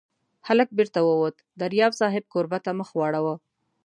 هلک بېرته ووت، دریاب صاحب کوربه ته مخ واړاوه.